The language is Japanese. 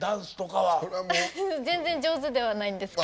全然上手ではないんですけど。